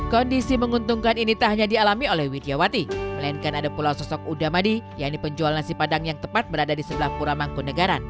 kondisi menguntungkan ini tak hanya dialami oleh widya wati melainkan ada pulau sosok udamadi yang dipenjual nasi padang yang tepat berada di sebelah purwomango negara